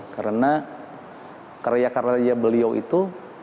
karena karya karya beliau itu